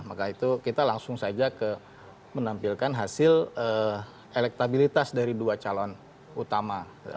maka itu kita langsung saja menampilkan hasil elektabilitas dari dua calon utama